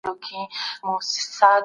ولي بايد دقيق ارقام ولرو؟